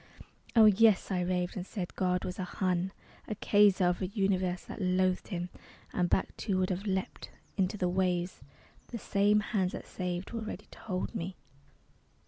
Oh, yes, I raved, and said God was a Hun, A Kaiser of a Universe that loathed him. And back, too, would have leapt, into the waves, But the same hands that saved were ready to hold me.